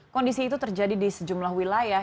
kondisi itu terjadi di sejumlah wilayah